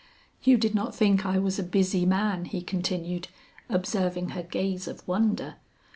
You did not think I was a busy man, he continued," observing her gaze of wonder.